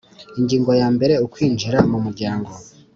Ingingo ya mbere Ukwinjira mu Umuryango